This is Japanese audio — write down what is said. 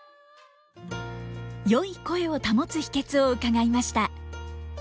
良い声を保つ秘けつを伺いました。